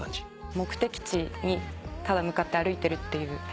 目的地にただ向かって歩いてるっていう。